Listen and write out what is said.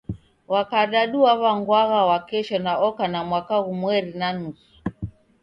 Wa kadadu waw'angwagha Wakesho na oka na mwaka ghumweri na nusu.